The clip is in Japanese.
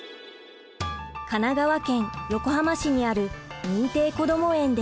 神奈川県横浜市にある認定こども園です。